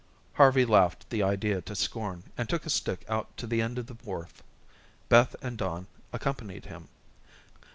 Harvey laughed the idea to scorn, and took a stick out to the end of the wharf. Beth and Don accompanied him.